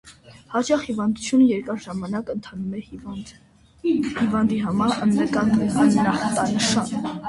Հաճախ հիվանդությունը երկար ժամանակ ընթանում է հիվանդի համար աննկատ (անախտանշան)։